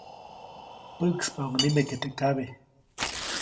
Päʼkspaʼuŋ nike teʼ kabe.